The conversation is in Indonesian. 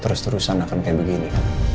terus terusan akan kayak begini